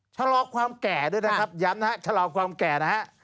ชะลอความแก่ด้วยนะครับย้ำนะฮะชะลอความแก่นะฮะ